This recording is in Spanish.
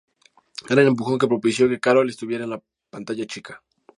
Gran empujón que propicio que Karol estuviera en la pantalla chica.